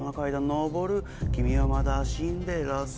昇る君はまだシンデレラさ